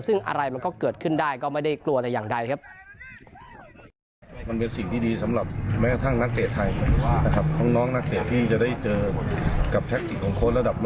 ซึ่งอะไรมันก็เกิดขึ้นได้ก็ไม่ได้กลัวแต่อย่างใดครับ